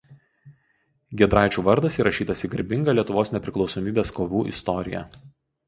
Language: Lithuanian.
Giedraičių vardas įrašytas į garbingą Lietuvos nepriklausomybės kovų istoriją.